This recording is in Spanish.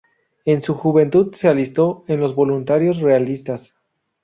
En su juventud se alistó en los Voluntarios Realistas.